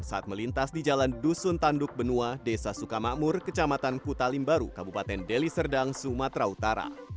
saat melintas di jalan dusun tanduk benua desa sukamakmur kecamatan kutalimbaru kabupaten deli serdang sumatera utara